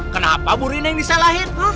kenapa bu rina yang disalahin